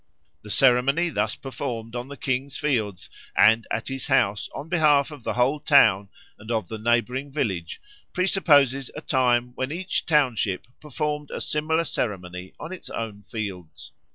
The ceremony thus performed on the king's fields and at his house on behalf of the whole town and of the neighbouring village presupposes a time when each township performed a similar ceremony on its own fields.